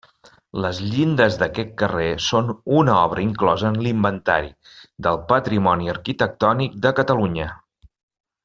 Les llindes d'aquest carrer són una obra inclosa en l'Inventari del Patrimoni Arquitectònic de Catalunya.